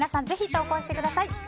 ぜひ投稿してください。